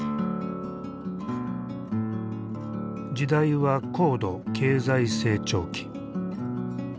時代は高度経済成長期。